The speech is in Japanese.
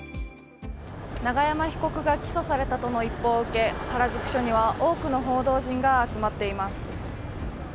永山被告が起訴されたとの一報を受け、原宿署には多くの報道陣が集まっています。